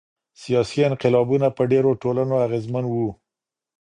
سیاسي انقلابونه په ډیرو ټولنو اغیزمن وو.